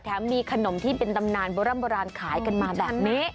แถมมีขนมที่เป็นตำนานโบราณขายกันมาแบบนี้